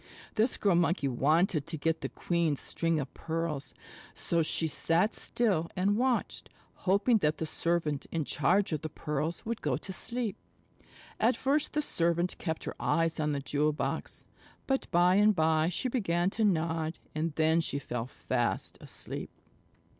This Girl Monkey wanted to get the queen's string of pearls, so she sat still and watched, hoping that the servant in charge of the pearls would go to sleep. At first the servant kept her eyes on the jewel box. But by and by she began to nod, and then she fell fast asleep.